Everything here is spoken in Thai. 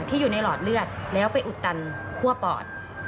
ที่อยู่ในหลอดเลือดแล้วไปอุดตันคั่วปอด